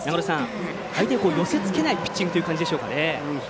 相手を寄せつけないピッチングという感じでしょうかね。